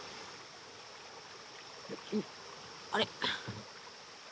あれ。